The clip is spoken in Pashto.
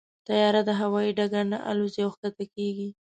طیاره د هوايي ډګر نه الوزي او کښته کېږي.